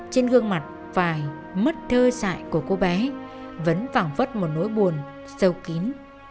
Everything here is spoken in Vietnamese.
trên gương mặt vài mất thơ sại của cô bé vẫn phẳng vất một nỗi buồn sâu kín